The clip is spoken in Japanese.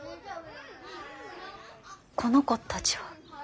この子たちは。